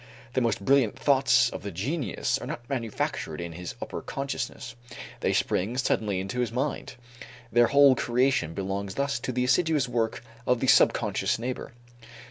The most brilliant thoughts of the genius are not manufactured in his upper consciousness, they spring suddenly into his mind, their whole creation belongs thus to the assiduous work of the subconscious neighbor.